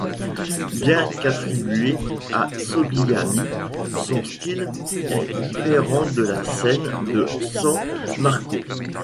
Bien qu'attribuée à Sogliani son style est différent de la Cène de San Marco.